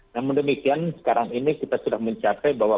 namun demikian sekarang ini kita sudah mencapai bahwa